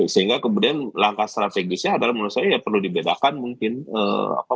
sehingga kemudian langkah strategisnya adalah menurut saya ya perlu dibedakan mungkin apa